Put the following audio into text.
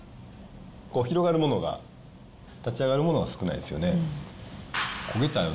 広がるものが、立ち上がるものが少ないですよね。